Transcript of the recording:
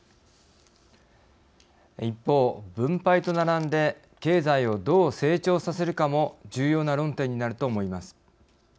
一方分配と並んで経済をどう成長させるかも重要な論点になると思います。